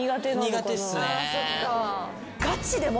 苦手っすね。